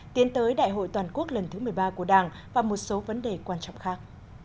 tiến tới đại hội toàn quốc lần thứ một mươi ba của đảng và một số vấn đề quan trọng khác